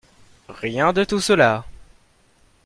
Rien de tout cela.